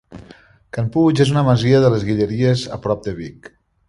Can Puig és una masia de les Guilleries a prop de Vic.